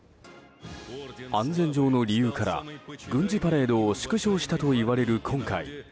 安全上の理由から軍事パレードを縮小したといわれる今回。